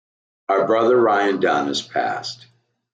Our brother Ryan Dunn has passed.